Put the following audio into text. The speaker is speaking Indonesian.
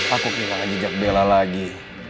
aku kehilangan jejak bella lagi